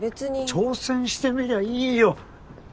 挑戦してみりゃいいよ！